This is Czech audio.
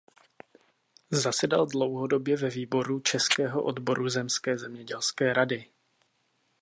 Zasedal dlouhodobě ve výboru českého odboru zemské zemědělské rady.